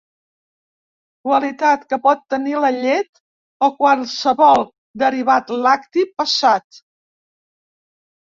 Qualitat que pot tenir la llet o qualsevol derivat lacti passat.